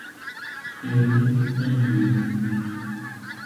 І мій, і твій.